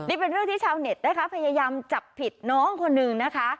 นี่เป็นเรื่องที่ชาวเน็ตนะคะพยายามจับผิดน้องคนหนึ่งนะคะ